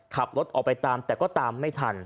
ขับรถออกไปตามแต่ก็ตามไม่ทัน